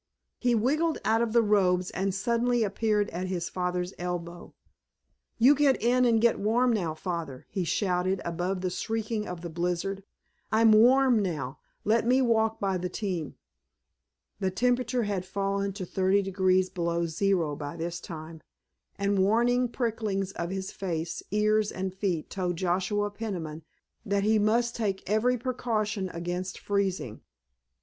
He wiggled out of the robes and suddenly appeared at his father's elbow. "You get in and get warm now, Father," he shouted above the shrieking of the blizzard. "I'm warm now; let me walk by the team." The temperature had fallen to thirty degrees below zero by this time, and warning prickings of his face, ears and feet told Joshua Peniman that he must take every precaution against freezing.